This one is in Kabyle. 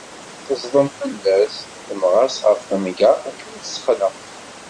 Teẓdem fella-s, temmeɣ-as ɣef temgerṭ akken a tt-texneq.